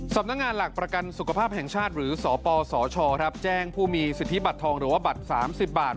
สำนักงานหลักประกันสุขภาพแห่งชาติหรือสปสชแจ้งผู้มีสิทธิบัตรทองหรือว่าบัตร๓๐บาท